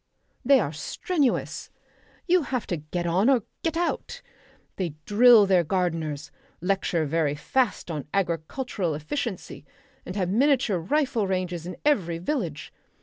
They are strenuous. You have to get on or get out. They drill their gardeners, lecture very fast on agricultural efficiency, and have miniature rifle ranges in every village.